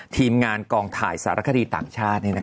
ทีมงานกองถ่ายสารคดีต่างชาติ